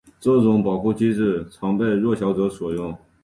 这种保护机制常被弱小者所用。